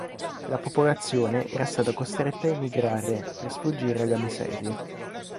La popolazione era stata costretta a emigrare per sfuggire alla miseria.